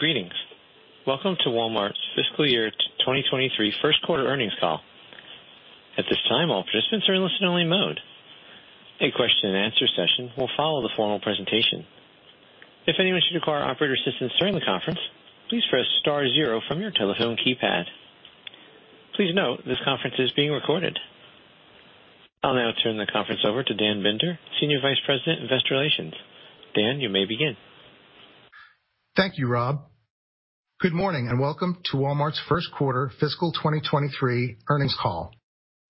Greetings. Welcome to Walmart's Fiscal Year 2023 Q1 Earnings Call. At this time, all participants are in listen-only mode. A question-and-answer session will follow the formal presentation. If anyone should require operator assistance during the conference, please press star zero from your telephone keypad. Please note this conference is being recorded. I'll now turn the conference over to Dan Binder, Senior Vice President, Investor Relations. Dan, you may begin. Thank you, Rob. Good morning, and welcome to Walmart's Q1 fiscal 2023 earnings call.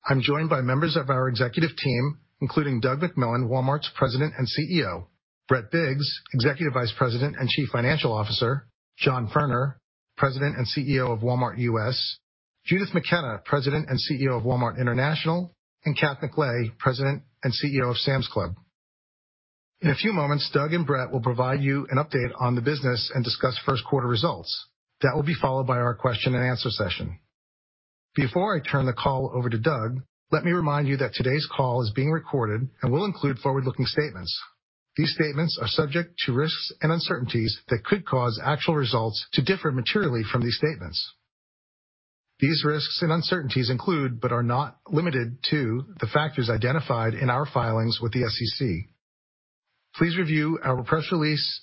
I'm joined by members of our executive team, including Doug McMillon, Walmart's President and CEO, Brett Biggs, Executive Vice President and Chief Financial Officer, John Furner, President and CEO of Walmart U.S., Judith McKenna, President and CEO of Walmart International, and Kathryn McLay, President and CEO of Sam's Club. In a few moments, Doug and Brett will provide you an update on the business and discuss first quarter results. That will be followed by our question-and-answer session. Before I turn the call over to Doug, let me remind you that today's call is being recorded and will include forward-looking statements. These statements are subject to risks and uncertainties that could cause actual results to differ materially from these statements. These risks and uncertainties include, but are not limited to, the factors identified in our filings with the SEC. Please review our press release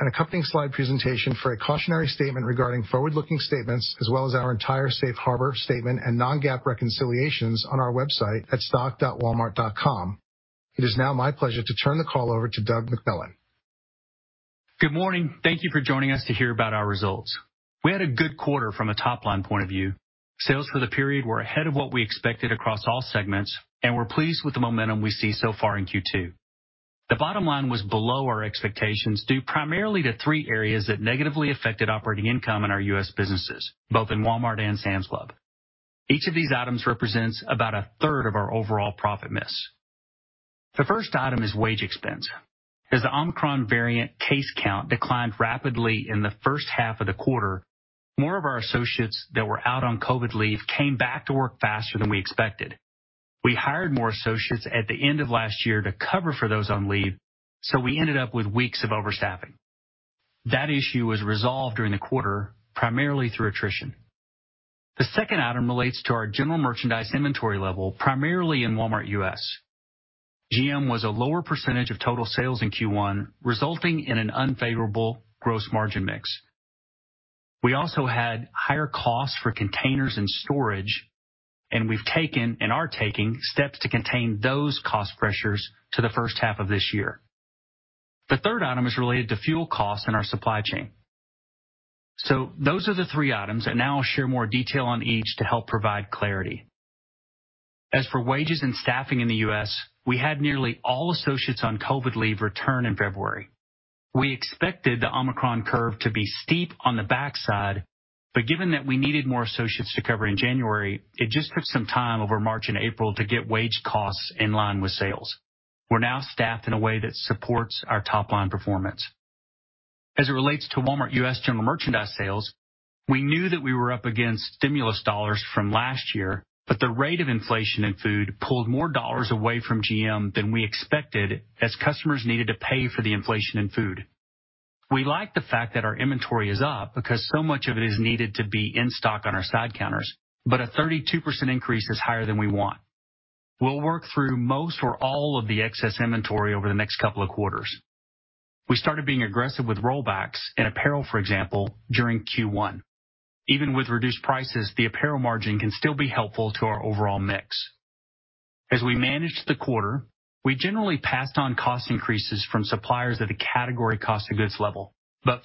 and accompanying slide presentation for a cautionary statement regarding forward-looking statements, as well as our entire safe harbor statement and non-GAAP reconciliations on our website at stock.walmart.com. It is now my pleasure to turn the call over to Doug McMillon. Good morning. Thank you for joining us to hear about our results. We had a good quarter from a top-line point of view. Sales for the period were ahead of what we expected across all segments, and we're pleased with the momentum we see so far in Q2. The bottom line was below our expectations, due primarily to three areas that negatively affected operating income in our U.S. businesses, both in Walmart and Sam's Club. Each of these items represents about a third of our overall profit miss. The first item is wage expense. As the Omicron variant case count declined rapidly in the first half of the quarter, more of our associates that were out on COVID leave came back to work faster than we expected. We hired more associates at the end of last year to cover for those on leave, so we ended up with weeks of overstaffing. That issue was resolved during the quarter, primarily through attrition. The second item relates to our general merchandise inventory level, primarily in Walmart U.S. GM was a lower percentage of total sales in Q1, resulting in an unfavorable gross margin mix. We also had higher costs for containers and storage, and we've taken and are taking steps to contain those cost pressures to the first half of this year. The third item is related to fuel costs in our supply chain. Those are the three items, and now I'll share more detail on each to help provide clarity. As for wages and staffing in the U.S., we had nearly all associates on COVID leave return in February. We expected the Omicron curve to be steep on the backside, but given that we needed more associates to cover in January, it just took some time over March and April to get wage costs in line with sales. We're now staffed in a way that supports our top-line performance. As it relates to Walmart U.S. general merchandise sales, we knew that we were up against stimulus dollars from last year, but the rate of inflation in food pulled more dollars away from GM than we expected as customers needed to pay for the inflation in food. We like the fact that our inventory is up because so much of it is needed to be in stock on our side counters, but a 32% increase is higher than we want. We'll work through most or all of the excess inventory over the next couple of quarters. We started being aggressive with rollbacks in apparel, for example, during Q1. Even with reduced prices, the apparel margin can still be helpful to our overall mix. As we managed the quarter, we generally passed on cost increases from suppliers at a category cost of goods level.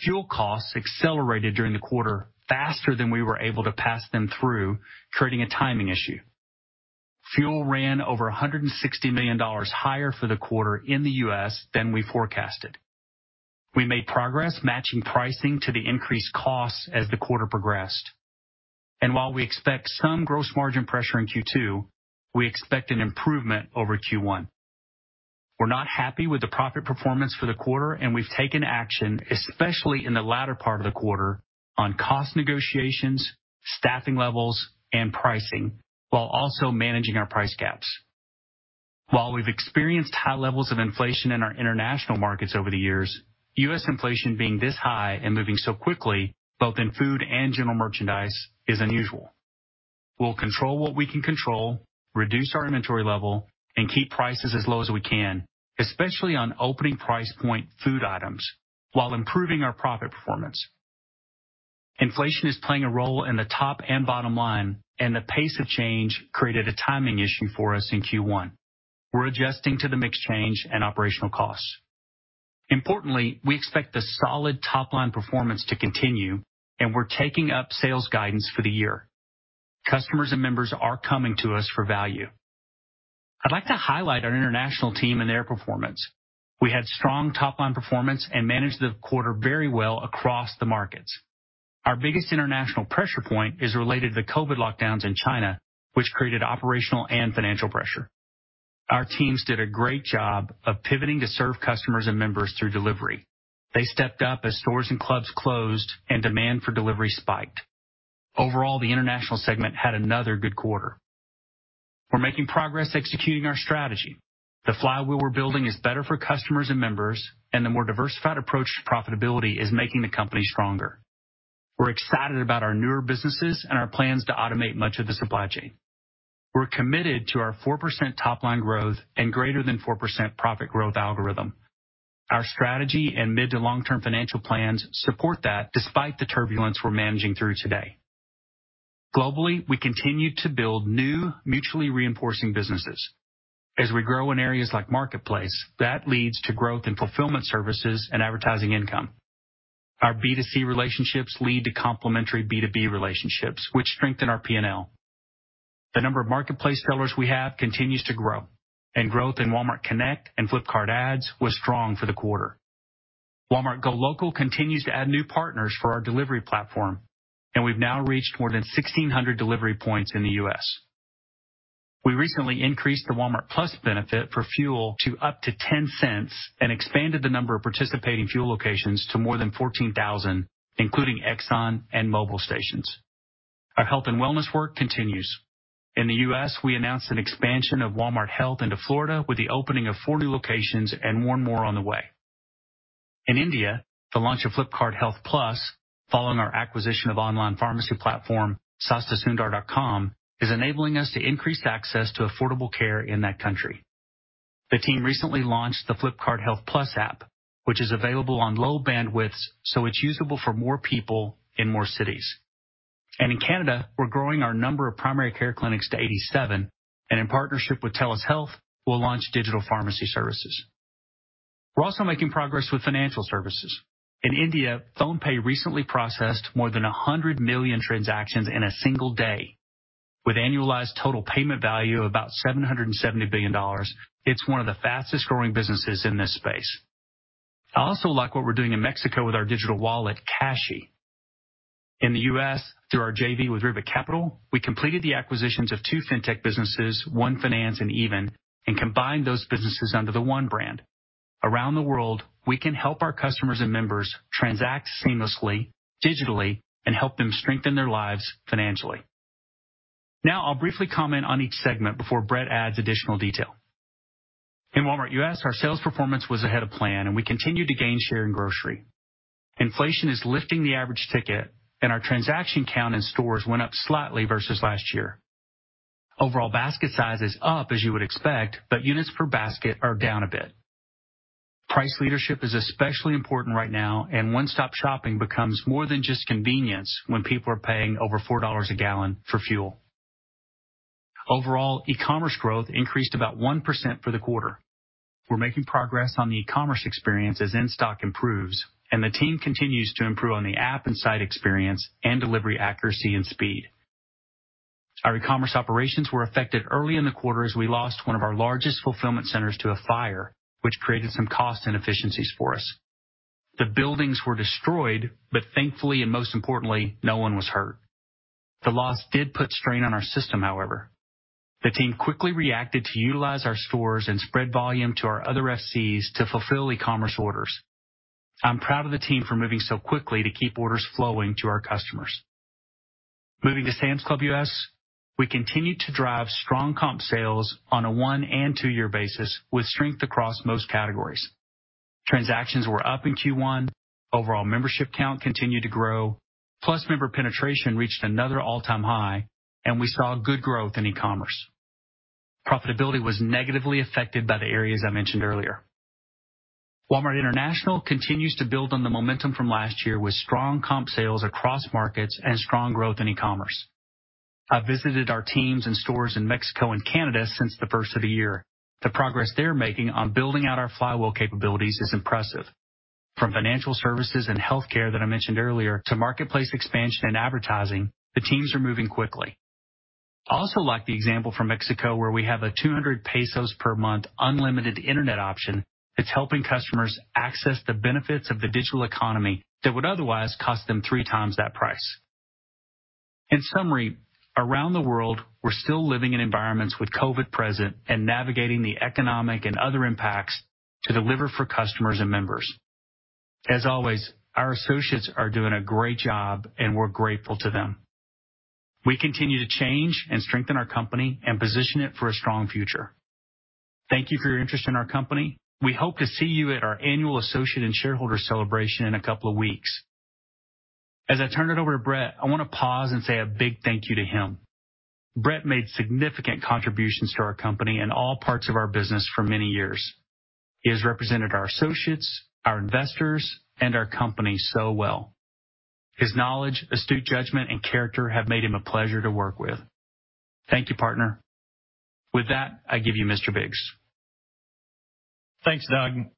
Fuel costs accelerated during the quarter faster than we were able to pass them through, creating a timing issue. Fuel ran over $160 million higher for the quarter in the U.S. than we forecasted. We made progress matching pricing to the increased costs as the quarter progressed. While we expect some gross margin pressure in Q2, we expect an improvement over Q1. We're not happy with the profit performance for the quarter, and we've taken action, especially in the latter part of the quarter, on cost negotiations, staffing levels, and pricing, while also managing our price gaps. While we've experienced high levels of inflation in our international markets over the years, U.S. inflation being this high and moving so quickly, both in food and general merchandise, is unusual. We'll control what we can control, reduce our inventory level, and keep prices as low as we can, especially on opening price point food items, while improving our profit performance. Inflation is playing a role in the top and bottom line, and the pace of change created a timing issue for us in Q1. We're adjusting to the mix change and operational costs. Importantly, we expect the solid top-line performance to continue, and we're taking up sales guidance for the year. Customers and members are coming to us for value. I'd like to highlight our international team and their performance. We had strong top-line performance and managed the quarter very well across the markets. Our biggest international pressure point is related to COVID lockdowns in China, which created operational and financial pressure. Our teams did a great job of pivoting to serve customers and members through delivery. They stepped up as stores and clubs closed and demand for delivery spiked. Overall, the international segment had another good quarter. We're making progress executing our strategy. The flywheel we're building is better for customers and members, and the more diversified approach to profitability is making the company stronger. We're excited about our newer businesses and our plans to automate much of the supply chain. We're committed to our 4% top-line growth and greater than 4% profit growth algorithm. Our strategy and mid- to long-term financial plans support that despite the turbulence we're managing through today. Globally, we continue to build new mutually reinforcing businesses. As we grow in areas like marketplace, that leads to growth in fulfillment services and advertising income. Our B2C relationships lead to complementary B2B relationships which strengthen our P&L. The number of marketplace sellers we have continues to grow, and growth in Walmart Connect and Flipkart ads was strong for the quarter. Walmart GoLocal continues to add new partners for our delivery platform, and we've now reached more than 1,600 delivery points in the U.S. We recently increased the Walmart+ benefit for fuel to up to $0.10 and expanded the number of participating fuel locations to more than 14,000, including Exxon and Mobil stations. Our health and wellness work continues. In the U.S., we announced an expansion of Walmart Health into Florida with the opening of four new locations and one more on the way. In India, the launch of Flipkart Health+, following our acquisition of online pharmacy platform SastaSundar.com, is enabling us to increase access to affordable care in that country. The team recently launched the Flipkart Health+ app, which is available on low bandwidths, so it's usable for more people in more cities. In Canada, we're growing our number of primary care clinics to 87. In partnership with TELUS Health, we'll launch digital pharmacy services. We're also making progress with financial services. In India, PhonePe recently processed more than 100 million transactions in a single day. With annualized total payment value of about $770 billion, it's one of the fastest-growing businesses in this space. I also like what we're doing in Mexico with our digital wallet, Cashi. In the U.S., through our JV with Ribbit Capital, we completed the acquisitions of two fintech businesses, One Finance and Even, and combined those businesses under the One brand. Around the world, we can help our customers and members transact seamlessly, digitally, and help them strengthen their lives financially. Now I'll briefly comment on each segment before Brett adds additional detail. In Walmart U.S., our sales performance was ahead of plan, and we continued to gain share in grocery. Inflation is lifting the average ticket, and our transaction count in stores went up slightly versus last year. Overall basket size is up as you would expect, but units per basket are down a bit. Price leadership is especially important right now, and one-stop shopping becomes more than just convenience when people are paying over $4 a gallon for fuel. Overall, e-commerce growth increased about 1% for the quarter. We're making progress on the e-commerce experience as in-stock improves, and the team continues to improve on the app and site experience and delivery accuracy and speed. Our e-commerce operations were affected early in the quarter as we lost one of our largest fulfillment centers to a fire, which created some cost inefficiencies for us. The buildings were destroyed, but thankfully, and most importantly, no one was hurt. The loss did put strain on our system, however. The team quickly reacted to utilize our stores and spread volume to our other FCs to fulfill e-commerce orders. I'm proud of the team for moving so quickly to keep orders flowing to our customers. Moving to Sam's Club U.S., we continued to drive strong comp sales on a one and two-year basis with strength across most categories. Transactions were up in Q1. Overall membership count continued to grow. Plus member penetration reached another all-time high, and we saw good growth in e-commerce. Profitability was negatively affected by the areas I mentioned earlier. Walmart International continues to build on the momentum from last year with strong comp sales across markets and strong growth in e-commerce. I visited our teams and stores in Mexico and Canada since the first of the year. The progress they're making on building out our flywheel capabilities is impressive. From financial services and healthcare that I mentioned earlier to marketplace expansion and advertising, the teams are moving quickly. I also like the example from Mexico, where we have a 200 pesos per month unlimited internet option that's helping customers access the benefits of the digital economy that would otherwise cost them three times that price. In summary, around the world, we're still living in environments with COVID present and navigating the economic and other impacts to deliver for customers and members. As always, our associates are doing a great job, and we're grateful to them. We continue to change and strengthen our company and position it for a strong future. Thank you for your interest in our company. We hope to see you at our annual associate and shareholder celebration in a couple of weeks. As I turn it over to Brett, I want to pause and say a big thank you to him. Brett made significant contributions to our company in all parts of our business for many years. He has represented our associates, our investors, and our company so well. His knowledge, astute judgment, and character have made him a pleasure to work with. Thank you, partner. With that, I give you Mr. Biggs. Thanks, Doug.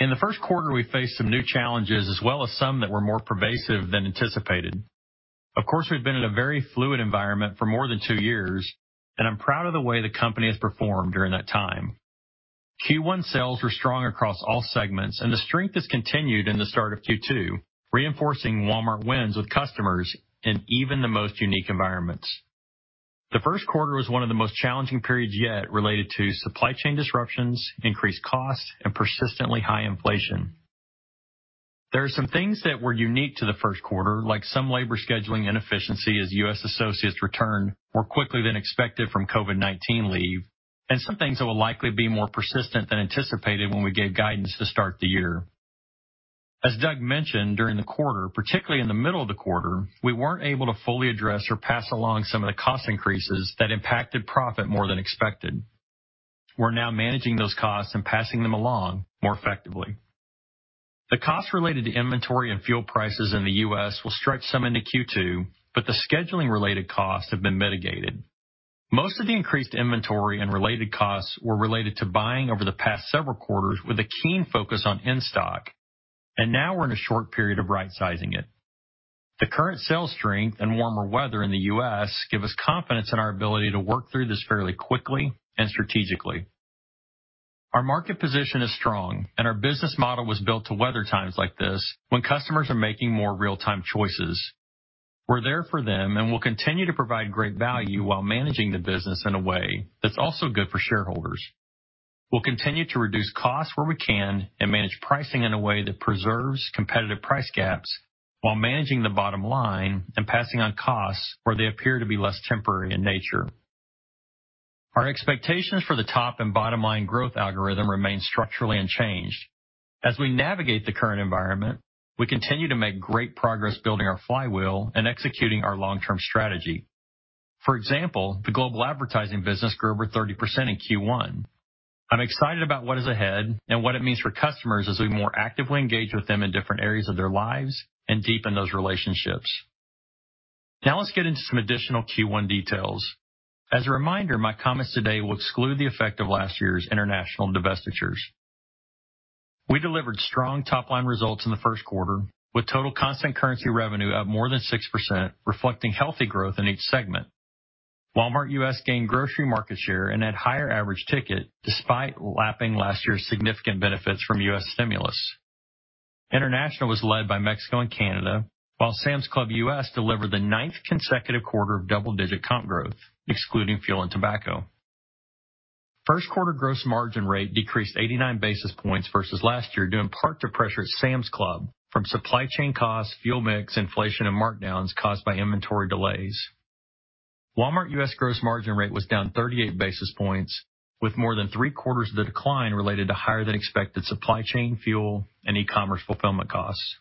In the Q1, we faced some new challenges as well as some that were more pervasive than anticipated. Of course, we've been in a very fluid environment for more than two years, and I'm proud of the way the company has performed during that time. Q1 sales were strong across all segments, and the strength has continued in the start of Q2, reinforcing Walmart wins with customers in even the most unique environments. The Q1 was one of the most challenging periods yet related to supply chain disruptions, increased costs, and persistently high inflation. There are some things that were unique to the Q1, like some labor scheduling inefficiency as U.S. associates returned more quickly than expected from COVID-19 leave, and some things that will likely be more persistent than anticipated when we gave guidance to start the year. As Doug mentioned during the quarter, particularly in the middle of the quarter, we weren't able to fully address or pass along some of the cost increases that impacted profit more than expected. We're now managing those costs and passing them along more effectively. The costs related to inventory and fuel prices in the U.S. will stretch some into Q2, but the scheduling-related costs have been mitigated. Most of the increased inventory and related costs were related to buying over the past several quarters with a keen focus on in-stock, and now we're in a short period of rightsizing it. The current sales strength and warmer weather in the U.S. give us confidence in our ability to work through this fairly quickly and strategically. Our market position is strong and our business model was built to weather times like this when customers are making more real-time choices. We're there for them, and we'll continue to provide great value while managing the business in a way that's also good for shareholders. We'll continue to reduce costs where we can and manage pricing in a way that preserves competitive price gaps while managing the bottom line and passing on costs where they appear to be less temporary in nature. Our expectations for the top and bottom line growth algorithm remain structurally unchanged. As we navigate the current environment, we continue to make great progress building our flywheel and executing our long-term strategy. For example, the global advertising business grew over 30% in Q1. I'm excited about what is ahead and what it means for customers as we more actively engage with them in different areas of their lives and deepen those relationships. Now let's get into some additional Q1 details. As a reminder, my comments today will exclude the effect of last year's international divestitures. We delivered strong top-line results in the Q1, with total constant currency revenue up more than 6%, reflecting healthy growth in each segment. Walmart U.S. gained grocery market share and had higher average ticket despite lapping last year's significant benefits from U.S. stimulus. International was led by Mexico and Canada, while Sam's Club U.S. delivered the ninth consecutive quarter of double-digit comp growth, excluding fuel and tobacco. Q1 gross margin rate decreased 89 basis points versus last year, due in part to pressure at Sam's Club from supply chain costs, fuel mix, inflation, and markdowns caused by inventory delays. Walmart U.S. gross margin rate was down 38 basis points, with more than 3/4 of the decline related to higher than expected supply chain, fuel, and e-commerce fulfillment costs.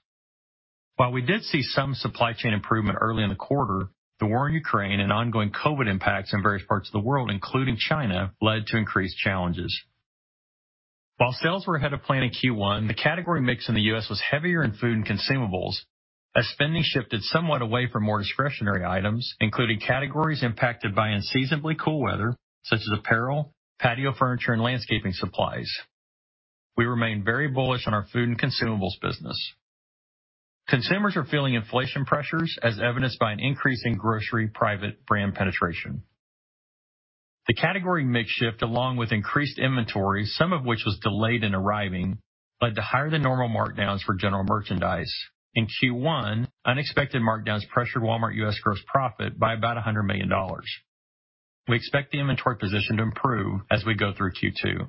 While we did see some supply chain improvement early in the quarter, the war in Ukraine and ongoing COVID impacts in various parts of the world, including China, led to increased challenges. While sales were ahead of plan in Q1, the category mix in the U.S. was heavier in food and consumables as spending shifted somewhat away from more discretionary items, including categories impacted by unseasonably cool weather such as apparel, patio furniture, and landscaping supplies. We remain very bullish on our food and consumables business. Consumers are feeling inflation pressures as evidenced by an increase in grocery private brand penetration. The category mix shift, along with increased inventory, some of which was delayed in arriving, led to higher than normal markdowns for general merchandise. In Q1, unexpected markdowns pressured Walmart U.S. gross profit by about $100 million. We expect the inventory position to improve as we go through Q2.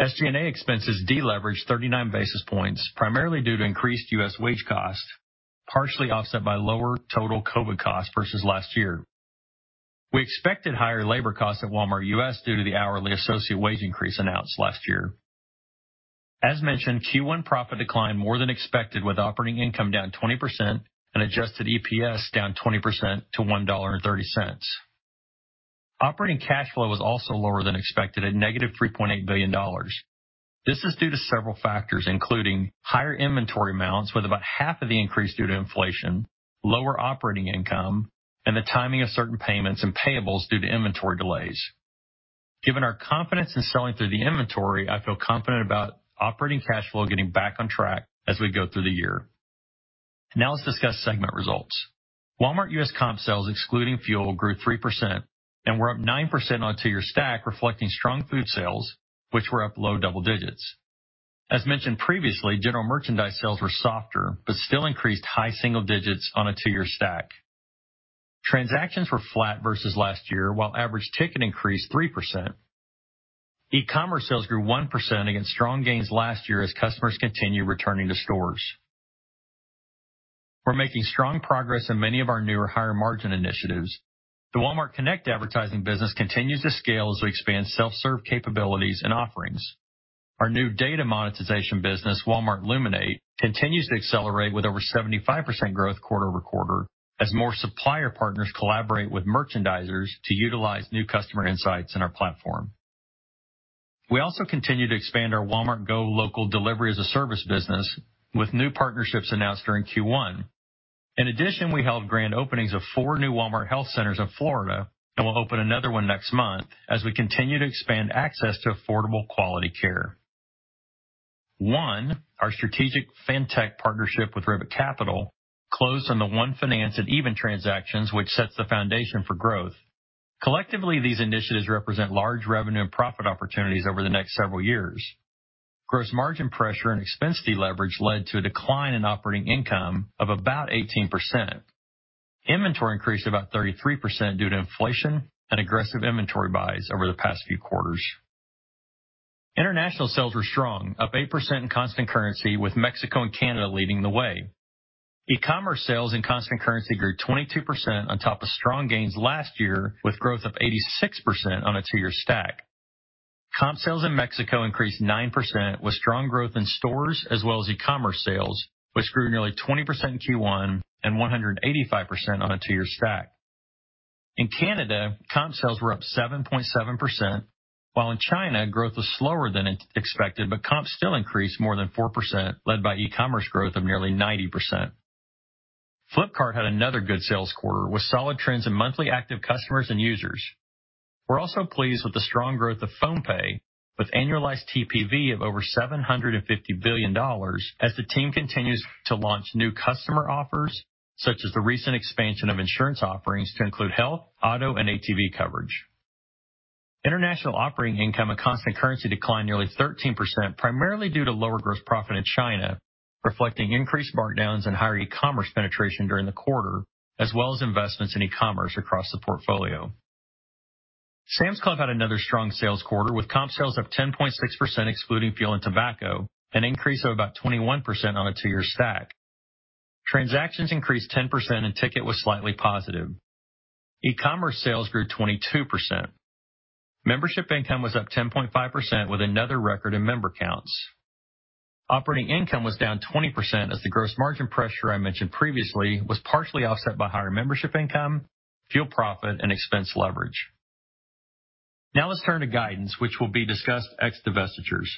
SG&A expenses deleveraged 39 basis points, primarily due to increased U.S. wage costs, partially offset by lower total COVID costs versus last year. We expected higher labor costs at Walmart U.S. due to the hourly associate wage increase announced last year. As mentioned, Q1 profit declined more than expected, with operating income down 20% and adjusted EPS down 20% to $1.30. Operating cash flow was also lower than expected at -$3.8 billion. This is due to several factors, including higher inventory amounts, with about half of the increase due to inflation, lower operating income, and the timing of certain payments and payables due to inventory delays. Given our confidence in selling through the inventory, I feel confident about operating cash flow getting back on track as we go through the year. Now let's discuss segment results. Walmart U.S. comp sales, excluding fuel, grew 3% and were up 9% on a two-year stack, reflecting strong food sales, which were up low double digits. As mentioned previously, general merchandise sales were softer but still increased high single digits on a two-year stack. Transactions were flat versus last year, while average ticket increased 3%. E-commerce sales grew 1% against strong gains last year as customers continue returning to stores. We're making strong progress in many of our newer higher-margin initiatives. The Walmart Connect advertising business continues to scale as we expand self-serve capabilities and offerings. Our new data monetization business, Walmart Luminate, continues to accelerate with over 75% growth quarter-over-quarter as more supplier partners collaborate with merchandisers to utilize new customer insights in our platform. We also continue to expand our Walmart GoLocal delivery as a service business with new partnerships announced during Q1. In addition, we held grand openings of four new Walmart Health centers in Florida and will open another one next month as we continue to expand access to affordable quality care. One, our strategic fintech partnership with Ribbit Capital closed on the One Finance and Even transactions, which sets the foundation for growth. Collectively, these initiatives represent large revenue and profit opportunities over the next several years. Gross margin pressure and expense deleverage led to a decline in operating income of about 18%. Inventory increased about 33% due to inflation and aggressive inventory buys over the past few quarters. International sales were strong, up 8% in constant currency, with Mexico and Canada leading the way. E-commerce sales in constant currency grew 22% on top of strong gains last year, with growth of 86% on a two-year stack. Comp sales in Mexico increased 9%, with strong growth in stores as well as e-commerce sales, which grew nearly 20% in Q1 and 185% on a two-year stack. In Canada, comp sales were up 7.7%, while in China, growth was slower than expected, but comps still increased more than 4%, led by e-commerce growth of nearly 90%. Flipkart had another good sales quarter with solid trends in monthly active customers and users. We're also pleased with the strong growth of PhonePe, with annualized TPV of over $750 billion as the team continues to launch new customer offers, such as the recent expansion of insurance offerings to include health, auto, and ATV coverage. International operating income and constant currency declined nearly 13% primarily due to lower gross profit in China, reflecting increased markdowns and higher e-commerce penetration during the quarter, as well as investments in e-commerce across the portfolio. Sam's Club had another strong sales quarter, with comp sales up 10.6% excluding fuel and tobacco, an increase of about 21% on a two-year stack. Transactions increased 10% and ticket was slightly positive. E-commerce sales grew 22%. Membership income was up 10.5% with another record in member counts. Operating income was down 20% as the gross margin pressure I mentioned previously was partially offset by higher membership income, fuel profit, and expense leverage. Now let's turn to guidance, which will be discussed ex divestitures.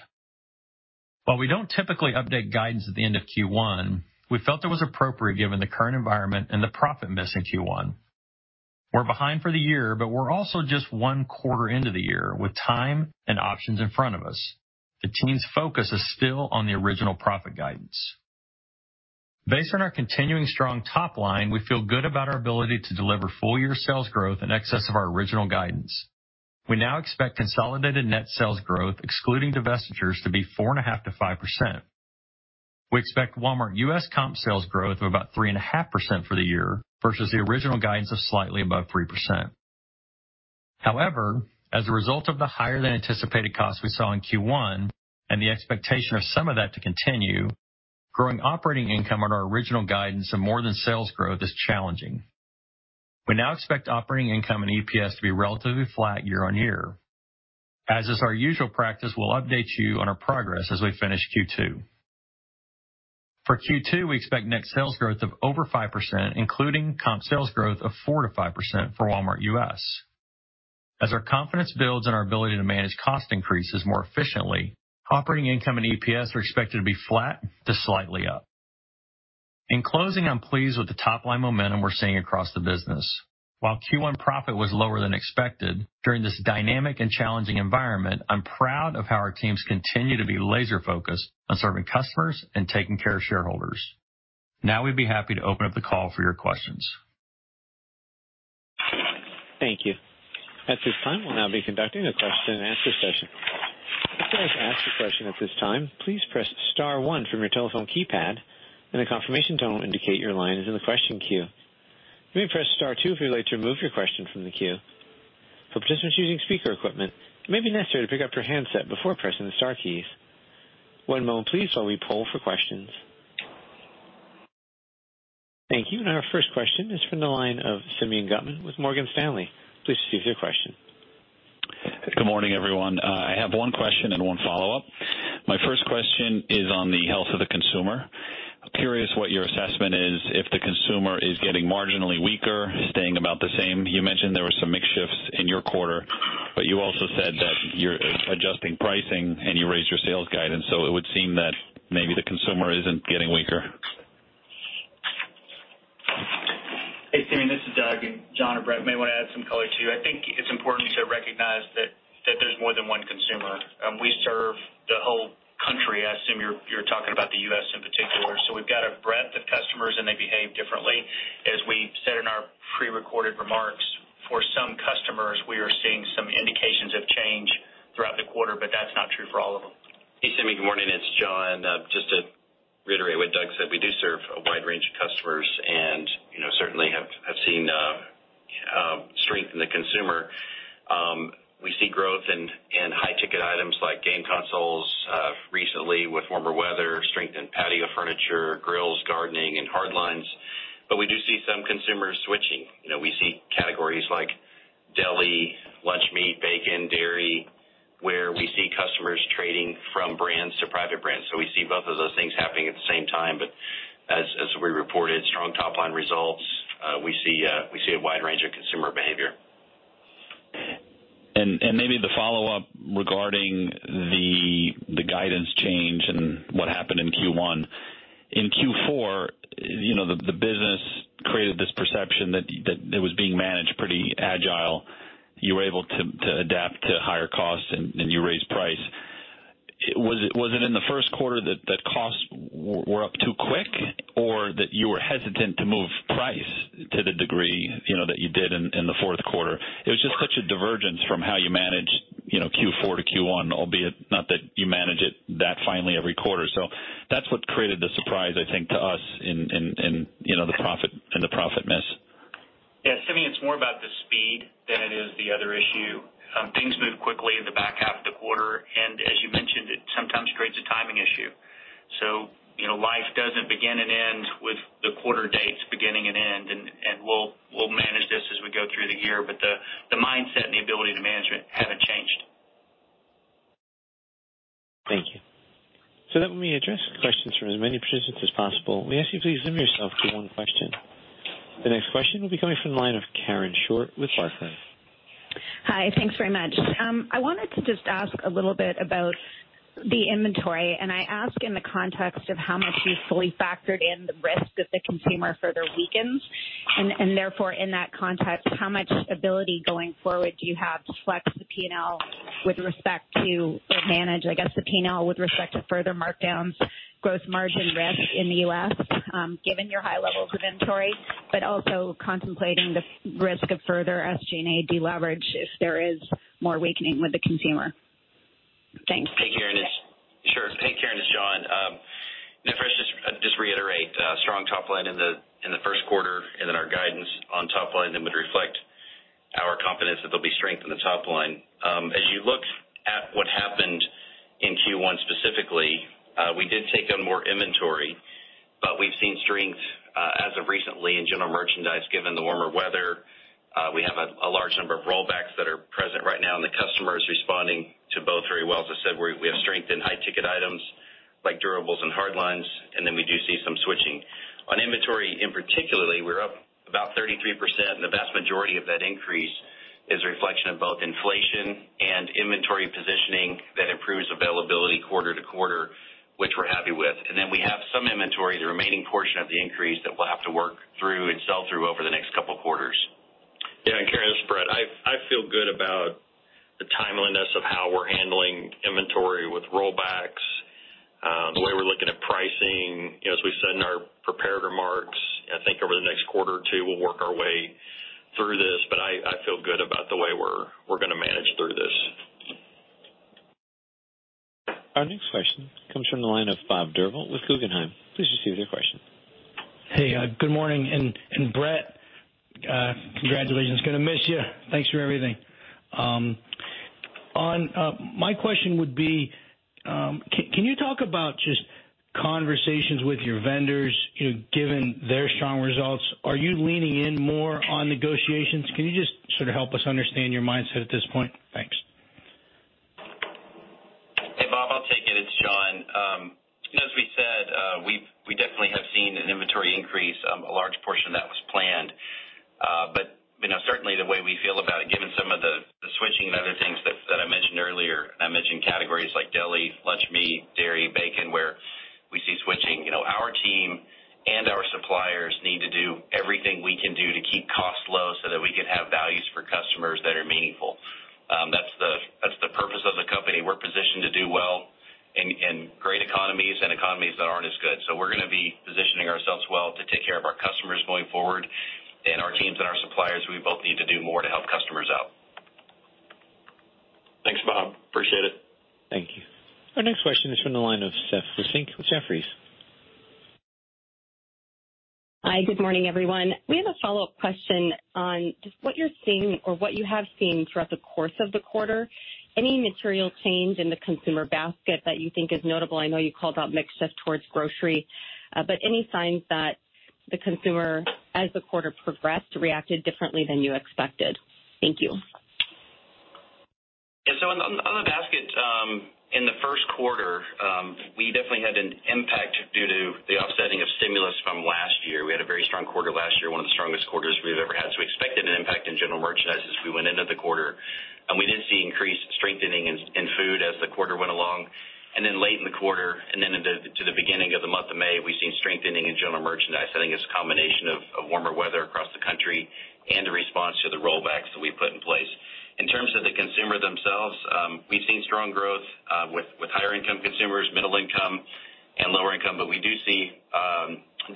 While we don't typically update guidance at the end of Q1, we felt it was appropriate given the current environment and the profit miss in Q1. We're behind for the year, but we're also just one quarter into the year with time and options in front of us. The team's focus is still on the original profit guidance. Based on our continuing strong top line, we feel good about our ability to deliver full-year sales growth in excess of our original guidance. We now expect consolidated net sales growth excluding divestitures to be 4.5%-5%. We expect Walmart U.S. comp sales growth of about 3.5% for the year versus the original guidance of slightly above 3%. However, as a result of the higher than anticipated costs we saw in Q1 and the expectation of some of that to continue, growing operating income on our original guidance and more than sales growth is challenging. We now expect operating income and EPS to be relatively flat year-over-year. As is our usual practice, we'll update you on our progress as we finish Q2. For Q2, we expect net sales growth of over 5%, including comp sales growth of 4%-5% for Walmart U.S. As our confidence builds and our ability to manage cost increases more efficiently, operating income and EPS are expected to be flat to slightly up. In closing, I'm pleased with the top-line momentum we're seeing across the business. While Q1 profit was lower than expected, during this dynamic and challenging environment, I'm proud of how our teams continue to be laser-focused on serving customers and taking care of shareholders. Now we'd be happy to open up the call for your questions. Thank you. At this time, we'll now be conducting a question and answer session. If you would like to ask a question at this time, please press star one from your telephone keypad and a confirmation tone will indicate your line is in the question queue. You may press star two if you'd like to remove your question from the queue. For participants using speaker equipment, it may be necessary to pick up your handset before pressing the star keys. One moment please while we poll for questions. Thank you. Our first question is from the line of Simeon Gutman with Morgan Stanley. Please proceed with your question. Good morning, everyone. I have one question and one follow-up. My first question is on the health of the consumer. Curious what your assessment is if the consumer is getting marginally weaker, staying about the same. You mentioned there were some mix shifts in your quarter, but you also said that you're adjusting pricing and you raised your sales guidance, so it would seem that maybe the consumer isn't getting weaker. Hey, Simeon, this is Doug. John or Brett may want to add some color to you. I think it's important to recognize that there's more than one consumer. We serve the whole country. I assume you're talking about the U.S. in particular. We've got a breadth of customers and they behave differently. As we said in our pre-recorded remarks, for some customers, we are seeing some indications of change throughout the quarter, but that's not true for all of them. Hey, Simeon Gutman. Good morning. It's John Furner. Just to reiterate what Doug said, we do serve a wide range of customers and, you know, certainly have seen strength in the consumer. We see growth in high ticket items like game consoles. Recently with warmer weather, strength in patio furniture, grills, gardening, and hard lines. We do see some consumers switching. You know, we see categories like deli, lunch meat, bacon, dairy, where we see customers trading from brands to private brands. We see both of those things happening at the same time. As we reported strong top-line results, we see a wide range of consumer behavior. Maybe the follow-up regarding the guidance change and what happened in Q1. In Q4, you know, the business created this perception that it was being managed pretty agile. You were able to adapt to higher costs and you raised price. Was it in the Q1 that costs were up too quick or that you were hesitant to move price to the degree, you know, that you did in the Q4? It was just such a divergence from how you managed. You know, Q4 to Q1, albeit not that you manage it that finely every quarter. That's what created the surprise, I think, to us in, you know, the profit miss. Yeah, Simeon, it's more about the speed than it is the other issue. Things move quickly in the back half of the quarter, and as you mentioned, it sometimes creates a timing issue. You know, life doesn't begin and end with the quarter dates beginning and end. We'll manage this as we go through the year, but the mindset and the ability to manage it haven't changed. Thank you. That we address questions from as many participants as possible, we ask you please limit yourself to one question. The next question will be coming from the line of Karen Short with Barclays. Hi. Thanks very much. I wanted to just ask a little bit about the inventory, and I ask in the context of how much you fully factored in the risk that the consumer further weakens, and therefore in that context, how much ability going forward do you have to flex the P&L with respect to or manage, I guess, the P&L with respect to further markdowns, gross margin risk in the U.S., given your high levels of inventory, but also contemplating the risk of further SG&A deleverage if there is more weakening with the consumer? Thanks. Hey, Karen, it's John. If I just reiterate, strong top line in the Q1 and then our guidance on top line that would reflect our confidence that there'll be strength in the top line. As you look at what happened in Q1 specifically, we did take on more inventory, but we've seen strength as of recently in general merchandise, given the warmer weather. We have a large number of rollbacks that are present right now, and the customer is responding to both very well. As I said, we have strength in high ticket items like durables and hard lines, and then we do see some switching. On inventory, in particular, we're up about 33%, and the vast majority of that increase is a reflection of both inflation and inventory positioning that improves availability quarter to quarter, which we're happy with. We have some inventory, the remaining portion of the increase that we'll have to work through and sell through over the next couple of quarters. Karen, this is Brett. I feel good about the timeliness of how we're handling inventory with rollbacks, the way we're looking at pricing. You know, as we said in our prepared remarks, I think over the next quarter or two we'll work our way through this, but I feel good about the way we're gonna manage through this. Our next question comes from the line of Bob Drbul with Guggenheim. Please proceed with your question. Hey, good morning, and Brett, congratulations. Gonna miss you. Thanks for everything. On my question would be, can you talk about just conversations with your vendors, you know, given their strong results? Are you leaning in more on negotiations? Can you just sort of help us understand your mindset at this point? Thanks. Hey, Bob, I'll take it. It's John. As we said, we definitely have seen an inventory increase. A large portion of that was planned. You know, certainly the way we feel about it, given some of the switching and other things that I mentioned earlier, and I mentioned categories like deli, lunch meat, dairy, bacon, where we see switching. You know, our team and our suppliers need to do everything we can do to keep costs low so that we can have values for customers that are meaningful. That's the purpose of the company. We're positioned to do well in great economies and economies that aren't as good. We're gonna be positioning ourselves well to take care of our customers going forward. Our teams and our suppliers, we both need to do more to help customers out. Thanks, Bob. Appreciate it. Thank you. Our next question is from the line of Steph Wissink with Jefferies. Hi. Good morning, everyone. We have a follow-up question on just what you're seeing or what you have seen throughout the course of the quarter. Any material change in the consumer basket that you think is notable? I know you called out mix shift towards grocery, but any signs that the consumer, as the quarter progressed, reacted differently than you expected? Thank you. Yeah. On the basket, in the Q1, we definitely had an impact due to the offsetting of stimulus from last year. We had a very strong quarter last year, one of the strongest quarters we've ever had, so we expected an impact in general merchandise as we went into the quarter. We did see increased strengthening in food as the quarter went along. Late in the quarter and then into the beginning of the month of May, we've seen strengthening in general merchandise. I think it's a combination of warmer weather across the country and a response to the rollbacks that we've put in place. In terms of the consumer themselves, we've seen strong growth with higher income consumers, middle income and lower income, but we do see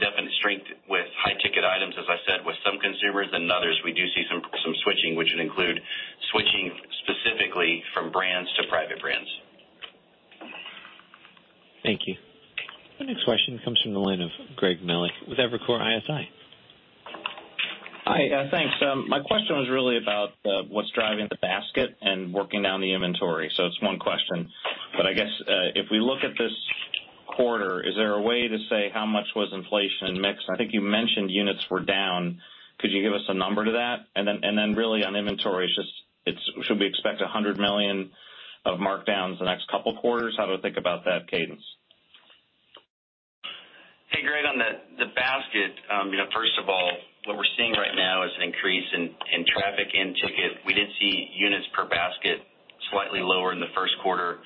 definite strength with high ticket items, as I said, with some consumers and others we do see some switching, which would include switching specifically from brands to private brands. Thank you. Our next question comes from the line of Greg Melich with Evercore ISI. Hi. Thanks. My question was really about what's driving the basket and working down the inventory, so it's one question. I guess, if we look at this quarter, is there a way to say how much was inflation mix? I think you mentioned units were down. Could you give us a number on that? And then really on inventory, it's just should we expect $100 million of markdowns the next couple quarters? How do we think about that cadence? Hey, Greg Melich. On the basket, first of all, what we're seeing right now is an increase in traffic in-ticket. We did see units per basket slightly lower in the first quarter.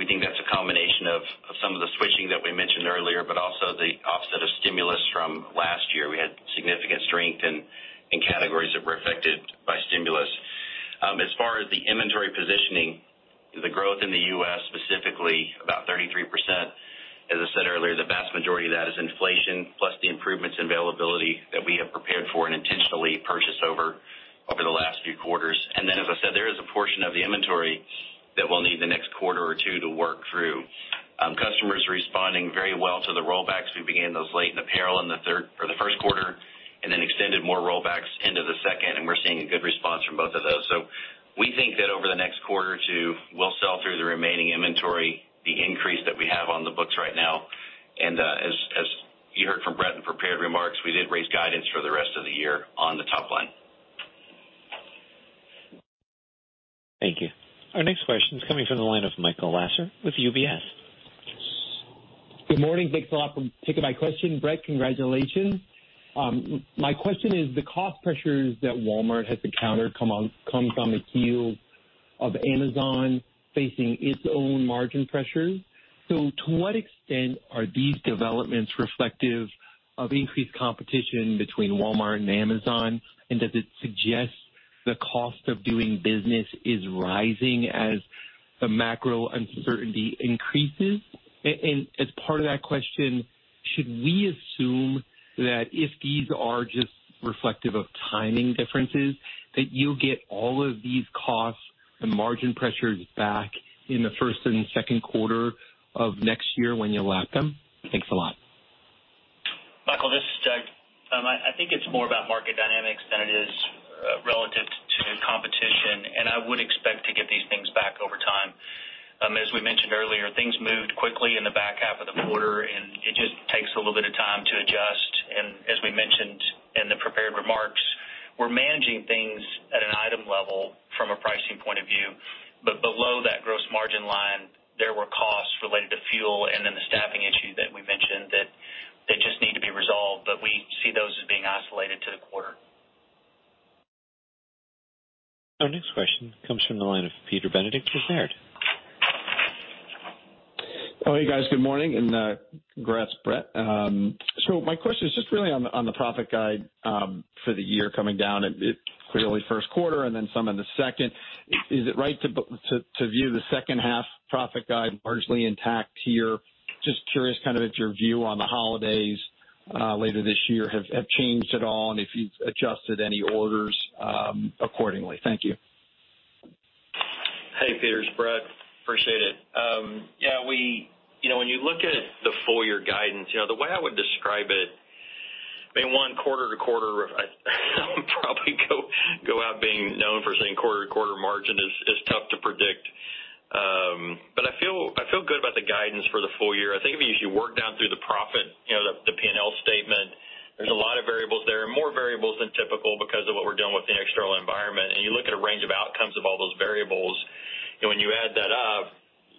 We think that's a combination of some of the switching that we mentioned earlier, but also the offset of stimulus from last year. We had significant strength in categories that were affected by stimulus. As far as the inventory positioning, the growth in the U.S. specifically about 33%. As I said earlier, the vast majority of that is inflation, plus the improvements in availability that we have prepared for and intentionally purchased over the last few quarters. Then, as I said, there is a portion of the inventory that we'll need the next quarter or two to work through. Customers are responding very well to the rollbacks. We began those late in apparel in the Q1, and then extended more rollbacks into the second, and we're seeing a good response from both of those. We think that over the next quarter or two, we'll sell through the remaining inventory, the increase that we have on the books right now. As you heard from Brett in prepared remarks, we did raise guidance for the rest of the year on the top line. Thank you. Our next question is coming from the line of Michael Lasser with UBS. Good morning. Thanks a lot for taking my question. Brett, congratulations. My question is, the cost pressures that Walmart has encountered comes on the heels of Amazon facing its own margin pressures. To what extent are these developments reflective of increased competition between Walmart and Amazon? Does it suggest the cost of doing business is rising as the macro uncertainty increases? And as part of that question, should we assume that if these are just reflective of timing differences, that you'll get all of these costs and margin pressures back in the Q1 and Q2 of next year when you lap them? Thanks a lot. Michael, this is Doug. I think it's more about market dynamics than it is relative to competition, and I would expect to get these things back over time. As we mentioned earlier, things moved quickly in the back half of the quarter, and it just takes a little bit of time to adjust. As we mentioned in the prepared remarks, we're managing things at an item level from a pricing point of view. Below that gross margin line, there were costs related to fuel and then the staffing issue that we mentioned that they just need to be resolved. We see those as being isolated to the quarter. Our next question comes from the line of Peter Benedict with Baird. Oh, hey, guys. Good morning, and congrats, Brett. So my question is just really on the profit guide for the year coming down. It's clearly Q1 and then some in the Q2. Is it right to view the second half profit guide largely intact here? Just curious kind of if your view on the holidays later this year have changed at all and if you've adjusted any orders accordingly. Thank you. Hey, Peter, it's Brett. Appreciate it. You know, when you look at the full year guidance, you know, the way I would describe it, I mean, one quarter to quarter, I would probably go out being known for saying quarter to quarter margin is tough to predict. But I feel good about the guidance for the full year. I think if you work down through the profit, you know, the P&L statement, there's a lot of variables there, and more variables than typical because of what we're doing with the external environment. You look at a range of outcomes of all those variables, and when you add that up,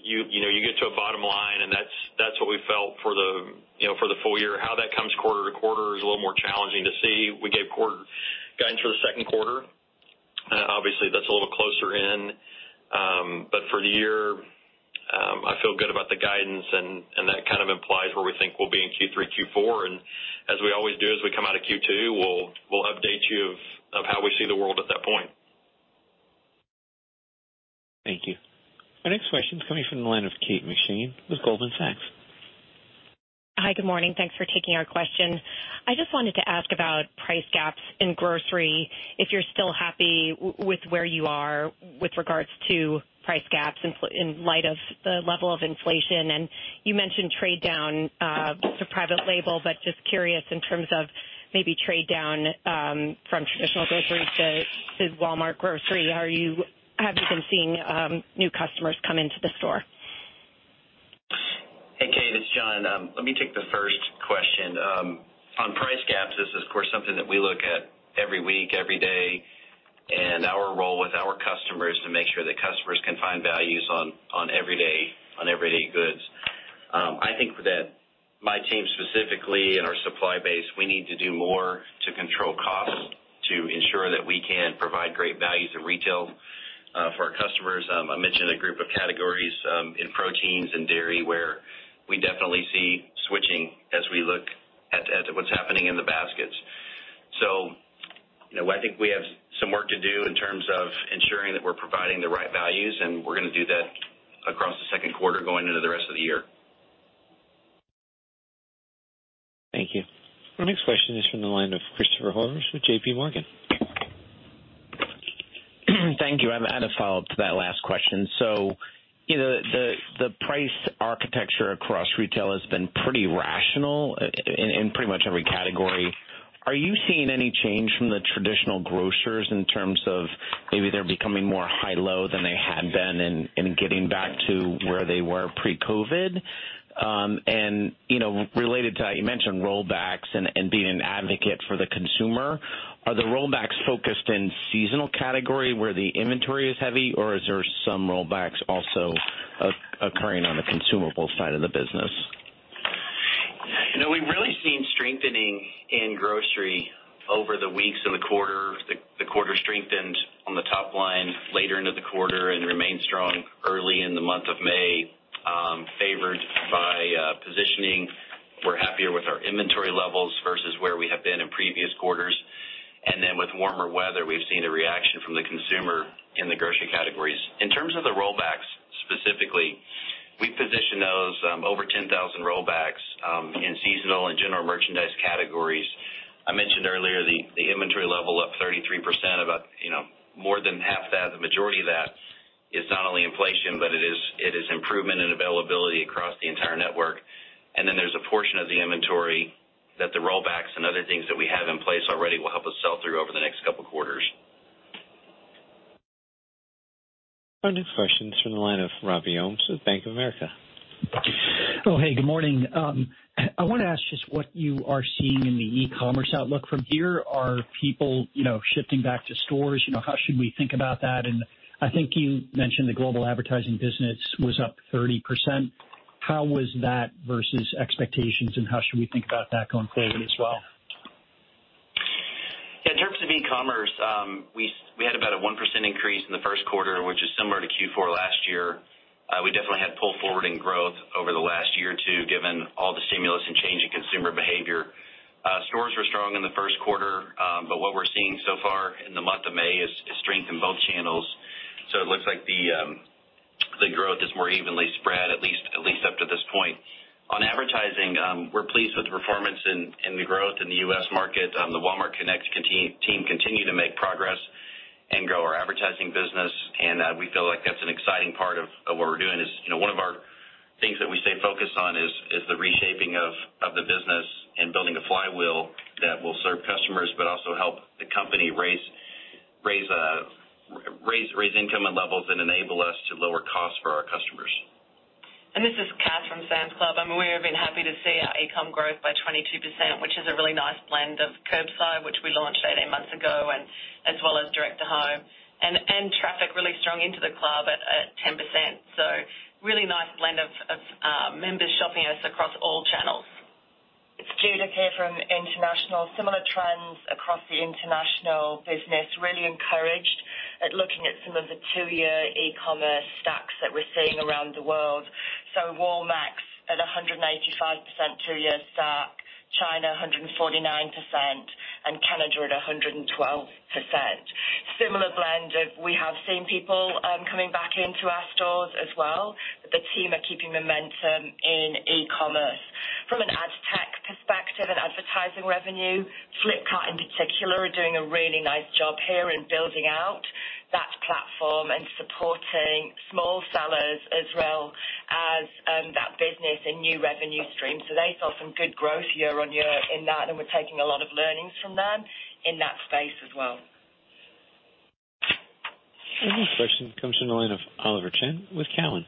you know, you get to a bottom line, and that's what we felt for the full year. How that comes quarter to quarter is a little more challenging to see. We gave quarter guidance for the Q2. Obviously, that's a little closer in. But for the year, I feel good about the guidance and that kind of implies where we think we'll be in Q3, Q4. As we always do, as we come out of Q2, we'll update you of how we see the world at that point. Thank you. Our next question is coming from the line of Kate McShane with Goldman Sachs. Hi, good morning. Thanks for taking our question. I just wanted to ask about price gaps in grocery, if you're still happy with where you are with regards to price gaps in light of the level of inflation. You mentioned trade down to private label, but just curious in terms of maybe trade down from traditional grocery to Walmart grocery. Have you been seeing new customers come into the store? Hey, Kate, it's John. Let me take the first question. On price gaps, this is, of course, something that we look at every week, every day. Our role with our customers to make sure that customers can find values on everyday goods. I think that my team specifically and our supply base, we need to do more to control costs to ensure that we can provide great values in retail for our customers. I mentioned a group of categories in proteins and dairy, where we definitely see switching as we look at what's happening in the baskets. You know, I think we have some work to do in terms of ensuring that we're providing the right values, and we're gonna do that across the Q2 going into the rest of the year. Thank you. Our next question is from the line of Christopher Horvers with JPMorgan. Thank you. I have a follow-up to that last question. You know, the price architecture across retail has been pretty rational in pretty much every category. Are you seeing any change from the traditional grocers in terms of maybe they're becoming more high-low than they had been and getting back to where they were pre-COVID? You know, related to that, you mentioned rollbacks and being an advocate for the consumer. Are the rollbacks focused in seasonal category where the inventory is heavy, or is there some rollbacks also occurring on the consumable side of the business? You know, we've really seen strengthening in grocery over the weeks in the quarter. The quarter strengthened on the top line later into the quarter and remained strong early in the month of May, favored by positioning. We're happier with our inventory levels versus where we have been in previous quarters. With warmer weather, we've seen a reaction from the consumer in the grocery categories. In terms of the rollbacks, specifically, we position those over 10,000 rollbacks in seasonal and general merchandise categories. I mentioned earlier the inventory level up 33% about, you know, more than half that, the majority of that is not only inflation, but it is improvement in availability across the entire network. There's a portion of the inventory that the rollbacks and other things that we have in place already will help us sell through over the next couple quarters. Our next question's from the line of Robby Ohmes with Bank of America. Good morning. I want to ask just what you are seeing in the e-commerce outlook from here. Are people, you know, shifting back to stores? You know, how should we think about that? I think you mentioned the global advertising business was up 30%. How was that versus expectations, and how should we think about that going forward as well? In terms of e-commerce, we had about a 1% increase in the Q1, which is similar to Q4 last year. We definitely had pull forward in growth over the last year or two, given all the stimulus and change in consumer behavior. Stores were strong in the Q1, but what we're seeing so far in the month of May is strength in both channels. It looks like the growth is more evenly spread, at least up to this point. On advertising, we're pleased with the performance in the growth in the U.S. market. The Walmart Connect team continue to make progress and grow our advertising business. We feel like that's an exciting part of what we're doing is, you know, one of our things that we stay focused on is the reshaping of the business and building a flywheel that will serve customers, but also help the company raise income on levels and enable us to lower costs for our customers. This is Kathryn McLay from Sam's Club. I mean, we have been happy to see our e-com growth by 22%, which is a really nice blend of curbside, which we launched 18 months ago, and as well as direct to home. Traffic really strong into the club at 10%. Really nice blend of members shopping us across all channels. It's Judith here from International. Similar trends across the International business. Really encouraged, looking at some of the two-year e-commerce stacks that we're seeing around the world. Walmex at 185% two-year stack, China 149%, and Canada at 112%. Similar blend of what we have seen people coming back into our stores as well, but the team are keeping momentum in e-commerce. From an ad tech perspective and advertising revenue, Flipkart in particular, are doing a really nice job here in building out that platform and supporting small sellers as well as that business and new revenue streams. They saw some good growth year-on-year in that, and we're taking a lot of learnings from them in that space as well. The next question comes from the line of Oliver Chen with Cowen.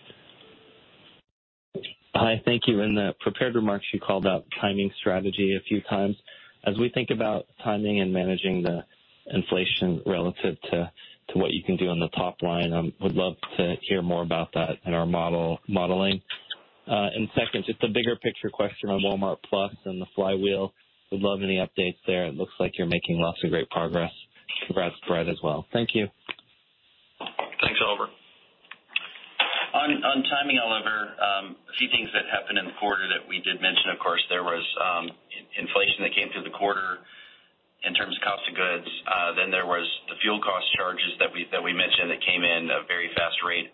Hi. Thank you. In the prepared remarks, you called out pricing strategy a few times. As we think about timing and managing the inflation relative to what you can do on the top line, would love to hear more about that in our modeling. Second, just a bigger picture question on Walmart+ and the flywheel. Would love any updates there. It looks like you're making lots of great progress. Congrats to Brett as well. Thank you. Thanks, Oliver. On timing, Oliver, a few things that happened in the quarter that we did mention. Of course, there was inflation that came through the quarter in terms of cost of goods. Then there was the fuel cost charges that we mentioned that came in a very fast rate,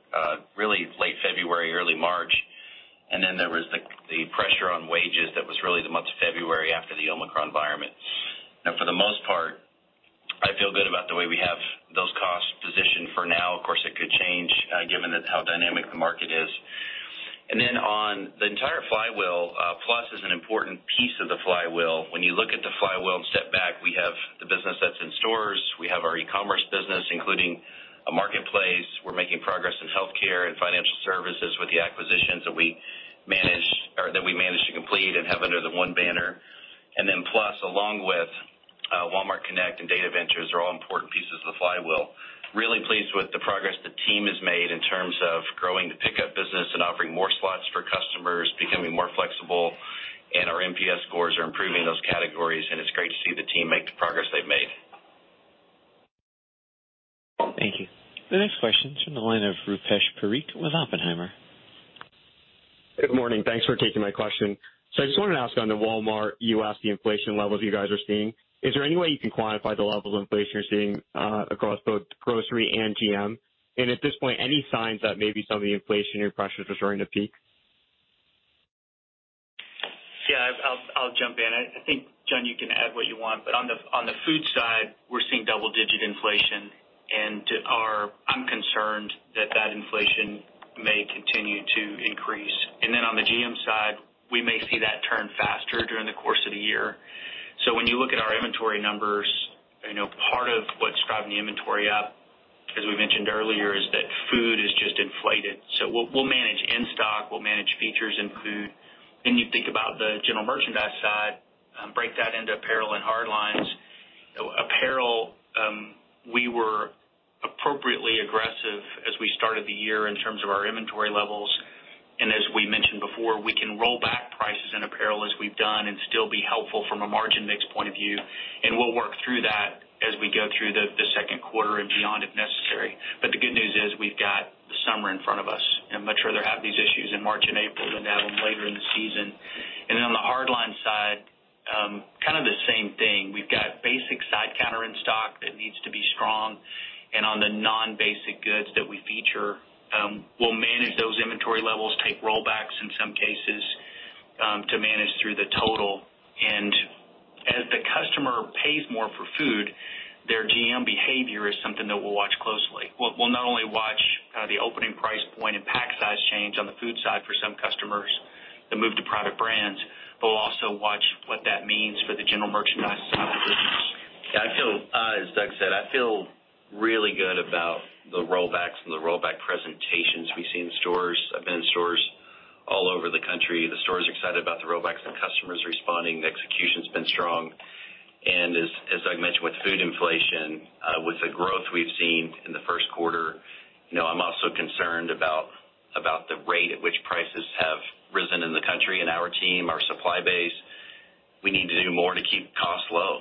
really late February, early March. There was the pressure on wages that was really the month of February after the Omicron environment. Now, for the most part, I feel good about the way we have those costs positioned for now. Of course, it could change, given that how dynamic the market is. On the entire flywheel, Walmart+ is an important piece of the flywheel. When you look at the flywheel and step back, we have the business that's in stores. We have our e-commerce business, including a marketplace. We're making progress in healthcare and financial services with the acquisitions that we managed or that we managed to complete and have under the One banner. Walmart+, along with Walmart Connect and data ventures are all important pieces of the flywheel. Really pleased with the progress the team has made in terms of growing the pickup business and offering more slots for customers, becoming more flexible, and our NPS scores are improving those categories, and it's great to see the team make the progress they've made. Thank you. The next question's from the line of Rupesh Parikh with Oppenheimer. Good morning. Thanks for taking my question. I just wanted to ask on the Walmart U.S., the inflation levels you guys are seeing. Is there any way you can quantify the levels of inflation you're seeing, across both grocery and GM? At this point, any signs that maybe some of the inflationary pressures are starting to peak? Yeah. I'll jump in. I think, John, you can add what you want, but on the food side, we're seeing double-digit inflation. I'm concerned that inflation may continue to increase. Then on the GM side, we may see that turn faster during the course of the year. When you look at our inventory numbers, you know, part of what's driving the inventory up, as we mentioned earlier, is that food is just inflated. We'll manage in-stock, we'll manage features in food. Then you think about the general merchandise side, break that into apparel and hard lines. Apparel, we were appropriately aggressive as we started the year in terms of our inventory levels. As we mentioned before, we can roll back prices in apparel as we've done and still be helpful from a margin mix point of view, and we'll work through that as we go through the second quarter and beyond if necessary. The good news is we've got- I'd much rather have these issues in March and April than have them later in the season. Then on the hardlines side, kind of the same thing. We've got basic side counter in stock that needs to be strong. On the non-basic goods that we feature, we'll manage those inventory levels, take rollbacks in some cases, to manage through the total. As the customer pays more for food, their GM behavior is something that we'll watch closely. We'll not only watch kind of the opening price point and pack size change on the food side for some customers to move to private brands, but we'll also watch what that means for the general merchandise side of the business. Yeah, I feel as Doug said, I feel really good about the rollbacks and the rollback presentations we've seen in stores. I've been in stores all over the country. The store is excited about the rollbacks and customers responding. The execution's been strong. As I mentioned, with food inflation, with the growth we've seen in the first quarter, you know, I'm also concerned about the rate at which prices have risen in the country and our team, our supply base, we need to do more to keep costs low.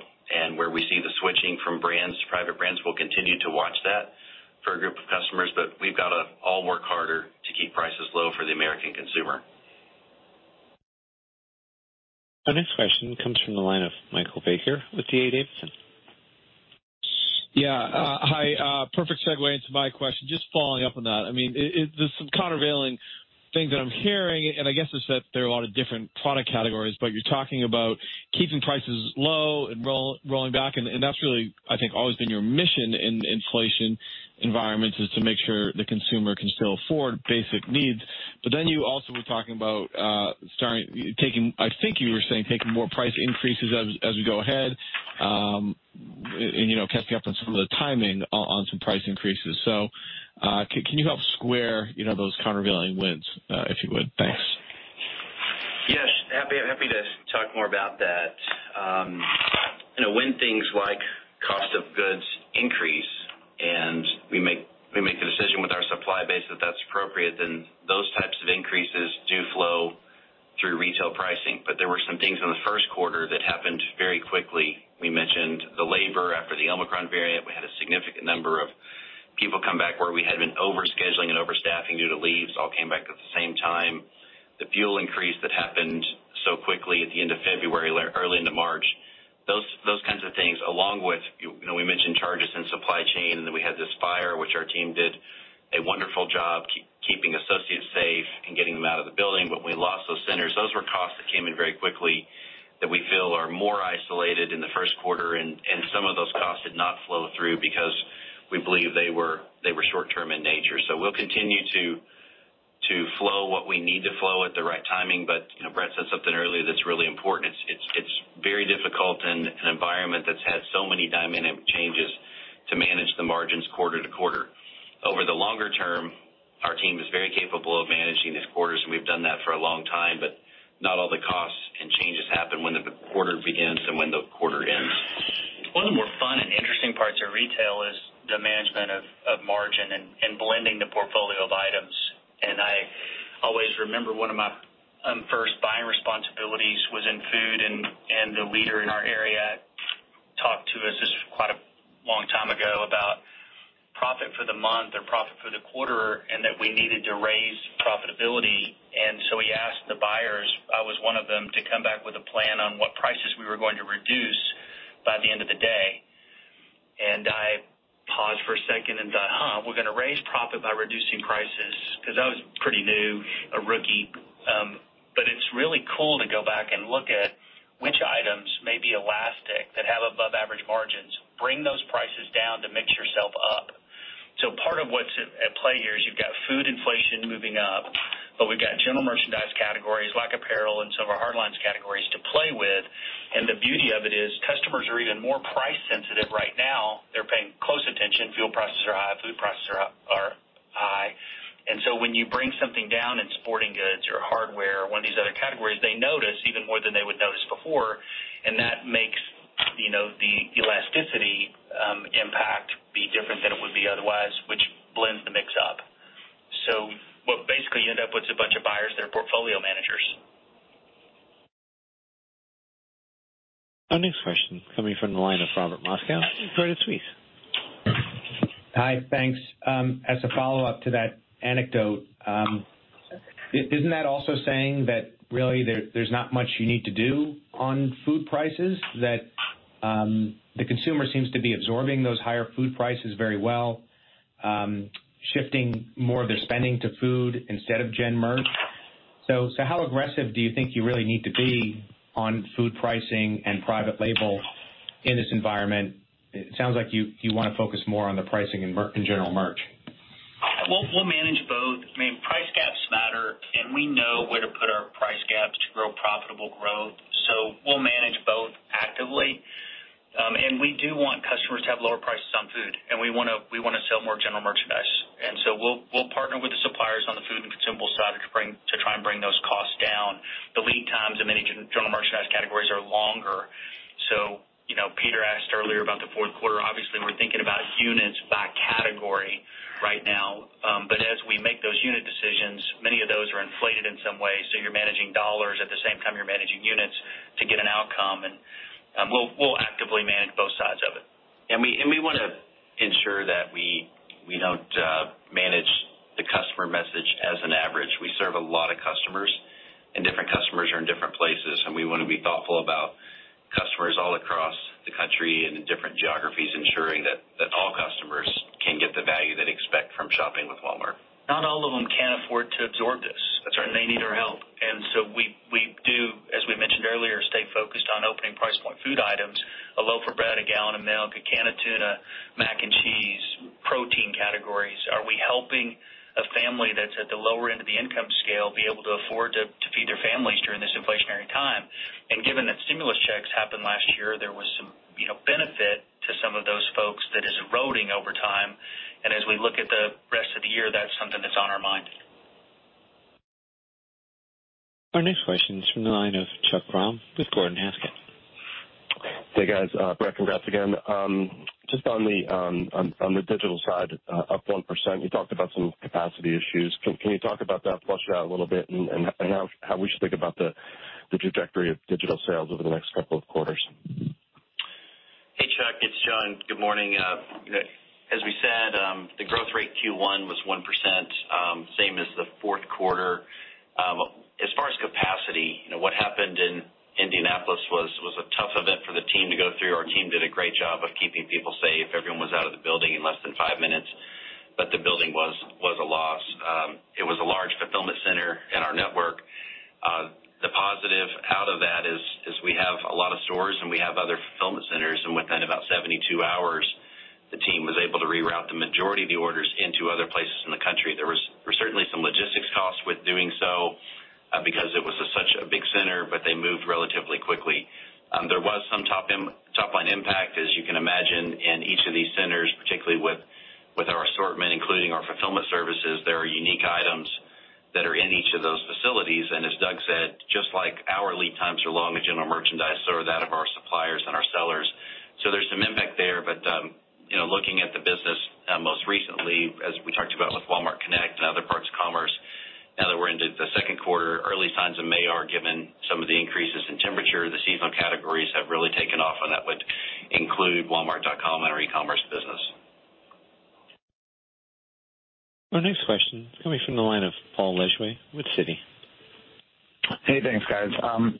Where we see the switching from brands to private brands, we'll continue to watch that for a group of customers. We've got to all work harder to keep prices low for the American consumer. Our next question comes from the line of Michael Baker with D.A. Davidson. Yeah. Hi. Perfect segue into my question. Just following up on that. I mean, there's some countervailing thing that I'm hearing, and I guess it's that there are a lot of different product categories, but you're talking about keeping prices low and rolling back, and that's really, I think, always been your mission in inflation environments, is to make sure the consumer can still afford basic needs. But then you also were talking about, I think you were saying, taking more price increases as we go ahead, and, you know, catching up on some of the timing on some price increases. Can you help square, you know, those countervailing winds, if you would? Thanks. Yes. Happy to talk more about that. You know, when things like cost of goods increase and we make the decision with our supply base, if that's appropriate, then those types of increases do flow through retail pricing. There were some things in the Q1 that happened very quickly. We mentioned the labor after the Omicron variant. We had a significant number of people come back where we had been over scheduling and overstaffing due to leaves, all came back at the same time. The fuel increase that happened so quickly at the end of February, early into March. Those kinds of things, along with, you know, we mentioned charges in supply chain, and then we had this fire, which our team did a wonderful job keeping associates safe and getting them out of the building, but we lost those centers. Those were costs that came in very quickly that we feel are more isolated in the Q1. Some of those costs did not flow through because we believe they were short term in nature. We'll continue to flow what we need to flow at the right timing. You know, Brett said something earlier that's really important. It's very difficult in an environment that's had so many dynamic changes to manage the margins quarter to quarter. Over the longer term, our team is very capable of managing the quarters, and we've done that for a long time. Not all the costs and changes happen when the quarter begins and when the quarter ends. One of the more fun and interesting parts of retail is the management of margin and blending the portfolio of items. I always remember one of my first buying responsibilities was in food. The leader in our area talked to us, this was quite a long time ago, about profit for the month or profit for the quarter, and that we needed to raise profitability. He asked the buyers, I was one of them, to come back with a plan on what prices we were going to reduce by the end of the day. I paused for a second and thought, "Huh, we're gonna raise profit by reducing prices." 'Cause I was pretty new, a rookie. It's really cool to go back and look at which items may be elastic that have above average margins, bring those prices down to mix yourself up. Part of what's at play here is you've got food inflation moving up, but we've got general merchandise categories like apparel and some of our hard lines categories to play with. The beauty of it is, customers are even more price sensitive right now. They're paying close attention. Fuel prices are high. Food prices are high. When you bring something down in sporting goods or hardware or one of these other categories, they notice even more than they would notice before. That makes, you know, the elasticity impact be different than it would be otherwise, which blends the mix up. What basically you end up with is a bunch of buyers that are portfolio managers. Our next question coming from the line of Robert Moskow with Credit Suisse. Hi. Thanks. As a follow-up to that anecdote, isn't that also saying that really there's not much you need to do on food prices? That the consumer seems to be absorbing those higher food prices very well, shifting more of their spending to food instead of gen merch. How aggressive do you think you really need to be on food pricing and private label in this environment? It sounds like you wanna focus more on the pricing in general merch. We'll manage both. I mean, price gaps matter, and we know where to put our price gaps to grow profitable growth. We'll manage both actively. We do want customers to have lower prices on food, and we wanna sell more general merchandise. We'll partner with the suppliers on the food and consumable side to try and bring those costs down. The lead times in many general merchandise categories are longer. You know, Peter asked earlier about the fourth quarter. Obviously, we're thinking about units by category right now. But as we make those unit decisions, many of those are inflated in some way. You're managing dollars at the same time you're managing units to get an outcome. We'll actively manage both sides of it. We wanna ensure that we don't manage the customer message as an average. We serve a lot of customers, and different customers are in different places, and we wanna be thoughtful about customers all across the country and the different geographies, ensuring that all customers can get the value they'd expect from shopping with Walmart. Not all of them can afford to absorb this. That's right. They need our help. We do, as we mentioned earlier, stay focused on opening price point food items, a loaf of bread, a gallon of milk, a can of tuna, mac and cheese, protein categories. Are we helping a family that's at the lower end of the income scale be able to afford to feed their families during this inflationary time? Given that stimulus checks happened last year, there was some, you know, benefit to some of those folks that is eroding over time. As we look at the rest of the year, that's something that's on our mind. Our next question is from the line of Chuck Grom with Gordon Haskett. Hey, guys. Brett, congrats again. Just on the digital side, up 1%, you talked about some capacity issues. Can you talk about that, flesh it out a little bit, and how we should think about the trajectory of digital sales over the next couple of quarters? Hey, Chuck, it's John. Good morning. As we said, the growth rate Q1 was 1%, same as the Q4. As far as capacity, you know, what happened in Indianapolis was a tough event for the team to go through. Our team did a great job of keeping people safe. Everyone was out of the building in less than five minutes, but the building was a loss. It was a large fulfillment center in our network. The positive out of that is we have a lot of stores and we have other fulfillment centers, and within about 72 hours, the team was able to reroute the majority of the orders into other places in the country. There was certainly some logistics costs with doing so, because it was such a big center, but they moved relatively quickly. There was some top-line impact, as you can imagine, in each of these centers, particularly with our assortment, including our fulfillment services. There are unique items that are in each of those facilities. As Doug said, just like our lead times are long in general merchandise so are those of our suppliers and our sellers. There's some impact there, but, you know, looking at the business, most recently, as we talked about with Walmart Connect and other parts of commerce, now that we're into the Q2, early signs in May, given some of the increases in temperature, the seasonal categories have really taken off, and that would include Walmart.com and our e-commerce business. Our next question is coming from the line of Paul Lejuez with Citi. Hey. Thanks, guys.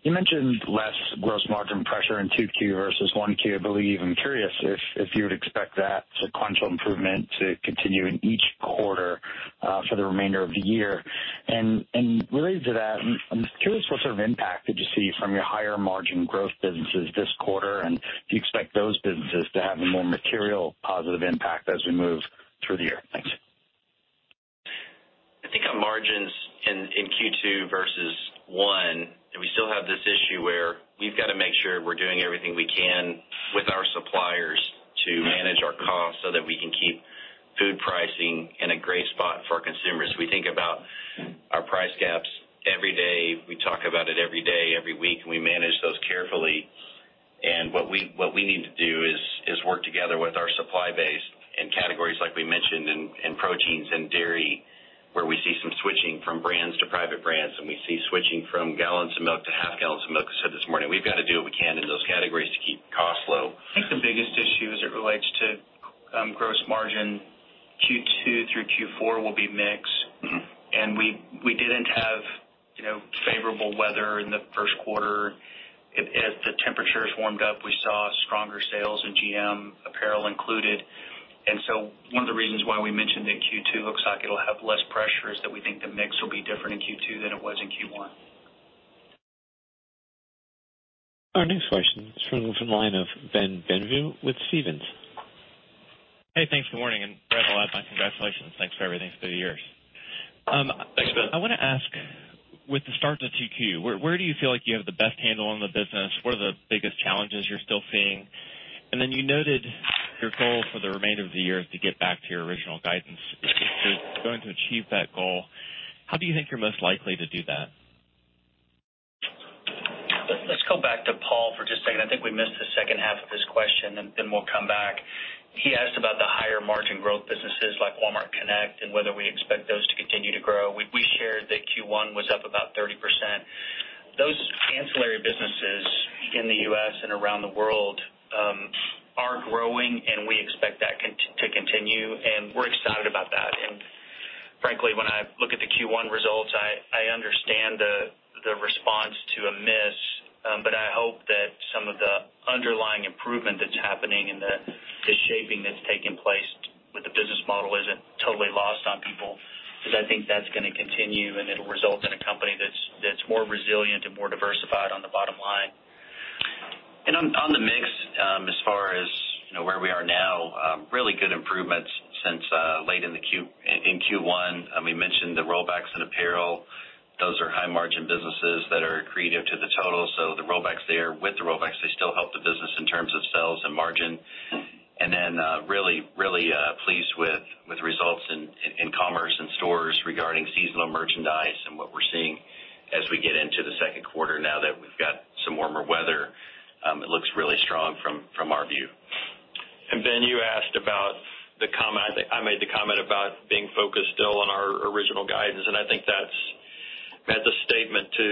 You mentioned less gross margin pressure in 2Q versus Q1, I believe. I'm curious if you would expect that sequential improvement to continue in each quarter for the remainder of the year. Related to that, I'm curious what sort of impact did you see from your higher margin growth businesses this quarter, and do you expect those businesses to have a more material positive impact as we move through the year? Thanks. I think our margins in Q2 versus Q1, and we still have this issue where we've got to make sure we're doing everything we can with our suppliers to manage our costs so that we can keep food pricing in a great spot for our consumers. We think about our price gaps every day. We talk about it every day, every week, and we manage those carefully. What we need to do is work together with our supply base and categories like we mentioned in proteins and dairy, where we see some switching from brands to private brands, and we see switching from gallons of milk to half gallons of milk. This morning, we've got to do what we can in those categories to keep costs low. I think the biggest issue as it relates to gross margin, Q2 through Q4 will be mix. Mm-hmm. We didn't have, you know, favorable weather in the Q1. As the temperatures warmed up, we saw stronger sales in GM, apparel included. One of the reasons why we mentioned that Q2 looks like it'll have less pressure is that we think the mix will be different in Q2 than it was in Q1. Our next question is from the line of Ben Bienvenu with Stephens. Hey, thanks. Good morning. Brett and I, congratulations. Thanks for everything through the years. Thanks, Ben. I wanna ask, with the start of the 2Q, where do you feel like you have the best handle on the business? What are the biggest challenges you're still seeing? Then you noted your goal for the remainder of the year is to get back to your original guidance. If you're going to achieve that goal, how do you think you're most likely to do that? Let's go back to Paul for just a second. I think we missed the second half of his question, and then we'll come back. He asked about the higher margin growth businesses like Walmart Connect and whether we expect those to continue to grow. We shared that Q1 was up about 30%. Those ancillary businesses in the U.S. and around the world are growing and we expect that to continue, and we're excited about that. Frankly, when I look at the Q1 results, I understand the response to a miss, but I hope that some of the underlying improvement that's happening and the shaping that's taking place with the business model isn't totally lost on people. 'Cause I think that's gonna continue and it'll result in a company that's more resilient and more diversified on the bottom line. On the mix, as far as, you know, where we are now, really good improvements since late in Q1. We mentioned the rollbacks in apparel. Those are high margin businesses that are accretive to the total. The rollbacks there. With the rollbacks, they still help the business in terms of sales and margin. Really pleased with results in commerce and stores regarding seasonal merchandise and what we're seeing as we get into the second quarter now that we've got some warmer weather. It looks really strong. Focused still on our original guidance. I think that's a statement to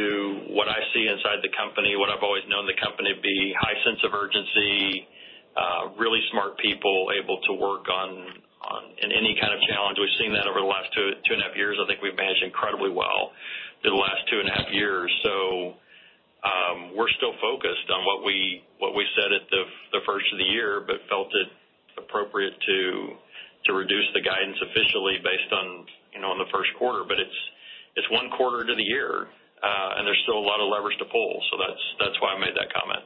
what I see inside the company, what I've always known the company to be high sense of urgency, really smart people able to work on in any kind of challenge. We've seen that over the last two and a half years. I think we've managed incredibly well through the last two and a half years. We're still focused on what we said at the first of the year, but felt it appropriate to reduce the guidance officially based on, you know, on the Q1. It's one quarter into the year, and there's still a lot of leverage to pull. That's why I made that comment.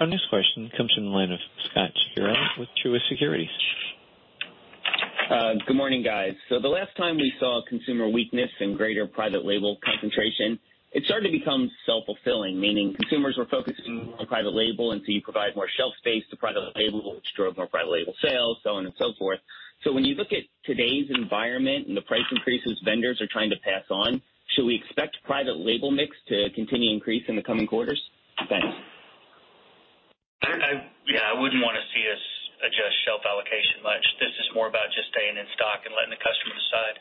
Our next question comes from the line of Scot Ciccarelli with Truist Securities. Good morning, guys. The last time we saw consumer weakness and greater private label concentration, it started to become self-fulfilling, meaning consumers were focusing on private label, and so you provide more shelf space to private label, which drove more private label sales, so on and so forth. When you look at today's environment and the price increases vendors are trying to pass on, should we expect private label mix to continue increase in the coming quarters? Thanks. Yeah, I wouldn't wanna see us adjust shelf allocation much. This is more about just staying in stock and letting the customer decide.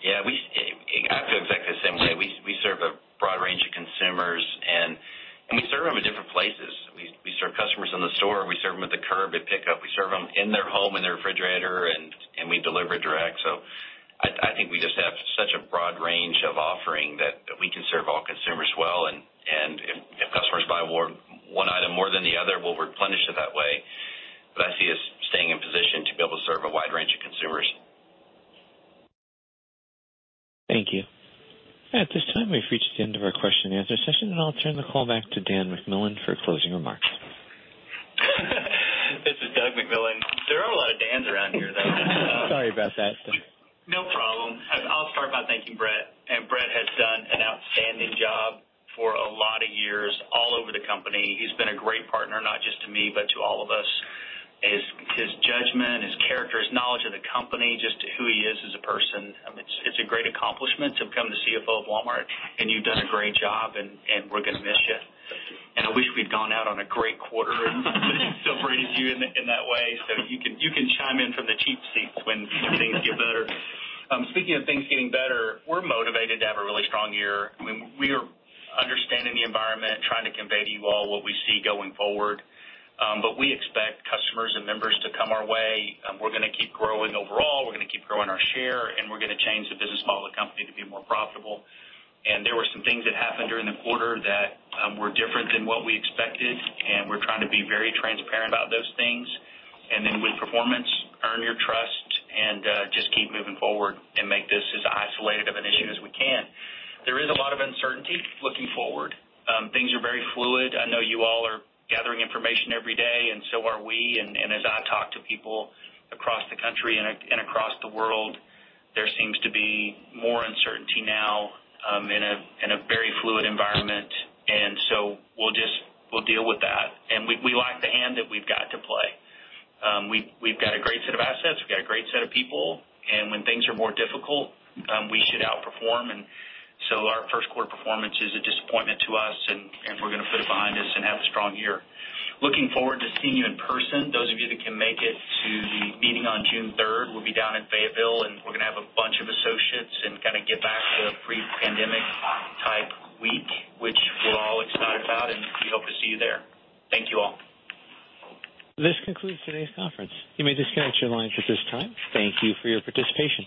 Yeah, I feel exactly the same way. We serve a broad range of consumers, and we serve them at different places. We serve customers in the store. We serve them at the curb at pickup. We serve them in their home, in their refrigerator, and we deliver direct. I think we just have such a broad range of offering that we can serve all consumers well. If customers buy one item more than the other, we'll replenish it that way. I see us staying in position to be able to serve a wide range of consumers. Thank you. At this time, we've reached the end of our question and answer session. I'll turn the call back to Doug McMillon for closing remarks. This is Doug McMillon. There are a lot of Dans around here today. Sorry about that. No problem. I'll start by thanking Brett. Brett has done an outstanding job for a lot of years all over the company. He's been a great partner, not just to me, but to all of us. His judgment, his character, his knowledge of the company, just who he is as a person, I mean, it's a great accomplishment to become the CFO of Walmart. You've done a great job, and we're gonna miss you. I wish we'd gone out on a great quarter and celebrated you in that way, so you can chime in from the cheap seats when things get better. Speaking of things getting better, we're motivated to have a really strong year. I mean, we are understanding the environment, trying to convey to you all what we see going forward. We expect customers and members to come our way. We're gonna keep growing overall. We're gonna keep growing our share, and we're gonna change the business model of the company to be more profitable. There were some things that happened during the quarter that were different than what we expected, and we're trying to be very transparent about those things. Then with performance, earn your trust and just keep moving forward and make this as isolated of an issue as we can. There is a lot of uncertainty looking forward. Things are very fluid. I know you all are gathering information every day, and so are we. As I talk to people across the country and across the world, there seems to be more uncertainty now in a very fluid environment. We'll just deal with that. We like the hand that we've got to play. We've got a great set of assets. We've got a great set of people. When things are more difficult, we should outperform. Our Q1 performance is a disappointment to us, and we're gonna put it behind us and have a strong year. Looking forward to seeing you in person. Those of you that can make it to the meeting on 3 June, we'll be down in Fayetteville, and we're gonna have a bunch of associates and kinda get back to a pre-pandemic type week, which we're all excited about, and we hope to see you there. Thank you all. This concludes today's conference. You may disconnect your lines at this time. Thank you for your participation.